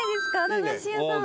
駄菓子屋さん。